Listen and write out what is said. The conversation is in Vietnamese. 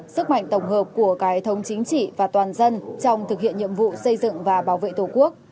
sức mạnh tổng hợp của cải thống chính trị và toàn dân trong thực hiện nhiệm vụ xây dựng và bảo vệ tổ quốc